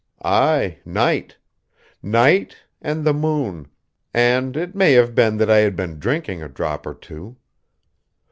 "Aye, night. Night, and the moon; and it may have been that I had been drinking a drop or two.